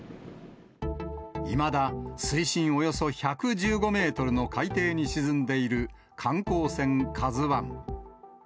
いまだ、水深およそ１１５メートルの海底に沈んでいる観光船カズワン。